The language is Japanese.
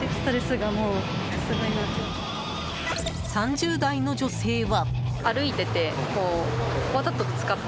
３０代の女性は。